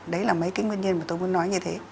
đấy là mấy cái nguyên nhân mà tôi muốn nói như thế